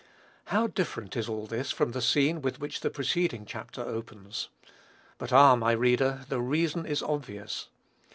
How different is all this from the scene with which the preceding chapter opens! But, ah! my reader, the reason is obvious.